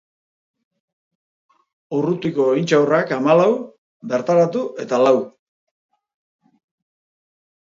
Urrutiko intxaurrak hamalau, bertaratu eta lau.